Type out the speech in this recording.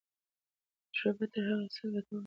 تجربه تر هر څه ګټوره ده.